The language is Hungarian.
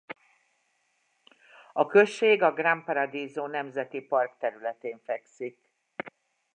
A község a Gran Paradiso Nemzeti Park területén fekszik.